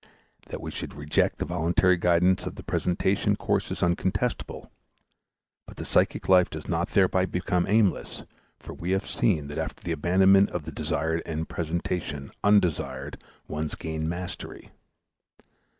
That we should reject the voluntary guidance of the presentation course is uncontestable; but the psychic life does not thereby become aimless, for we have seen that after the abandonment of the desired end presentation undesired ones gain the mastery.